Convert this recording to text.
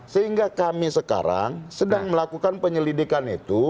sehingga kami sekarang sedang melakukan penyelidikan itu